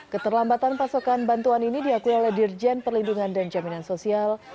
keterlambatan pasokan bantuan ini diakui oleh dirjen perlindungan dan jaminan sosial